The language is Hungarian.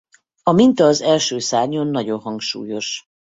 A minta az első szárnyon nagyon hangsúlyos.